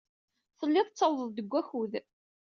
Tellid tettawḍed-d deg wakud.